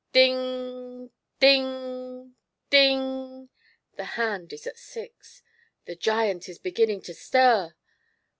"Ding — ding — ding !" the hand is at six — the giant is beginning to stir